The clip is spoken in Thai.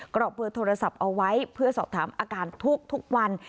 กรอกเบอร์โทรศัพท์เอาไว้เพื่อสอบถามอาการทุกวัน